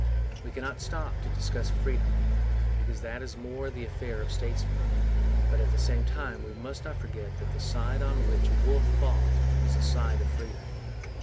We cannot stop to discuss freedom, because that is more the affair of statesmen; but, at the same time, we must not forget that the side on which Wolfe fought was the side of freedom.